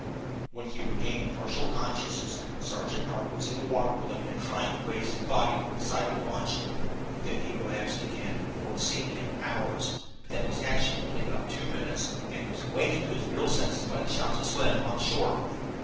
When he regained partial consciousness Sergeant Martin was in the water with him, and trying to raise his body over the side of the launch; then he relapsed again, for what seemed to him hours, but what was actually only about two minutes, and was awakened to his real senses by the shouts of Slim, on shore.